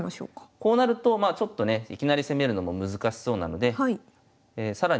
こうなるとまあちょっとねいきなり攻めるのも難しそうなので更に